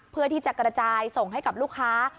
เพื่อที่จะกระจายส่งให้กับลูกค้า